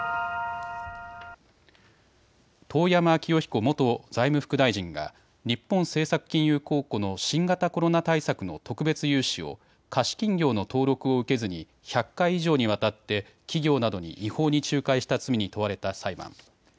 遠山清彦元財務副大臣が日本政策金融公庫の新型コロナ対策の特別融資を貸金業の登録を受けずに１００回以上にわたって企業などに違法に仲介した罪に問われた裁判。